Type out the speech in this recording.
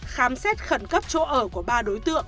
khám xét khẩn cấp chỗ ở của ba đối tượng